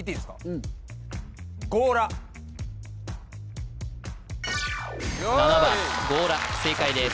うん７番ごうら正解です